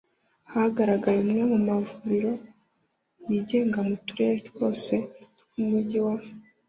Hagaragaye amwe mu mavuriro yigenga mu turere twose tw Umujyi wa